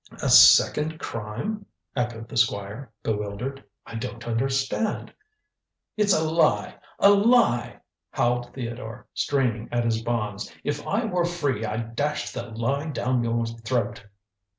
"A second crime," echoed the Squire, bewildered. "I don't understand." "It's a lie; a lie," howled Theodore, straining at his bonds. "If I were free I'd dash the lie down your throat."